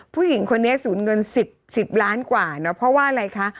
ผู้หญิงคนนี้สูญเงิน๑๐ล้านกว่าเนอะเพราะว่าอะไรคะ